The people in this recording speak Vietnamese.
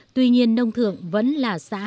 tuy nhiên nông thường vẫn là xã